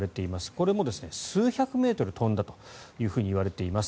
これも数百メートル飛んだといわれています。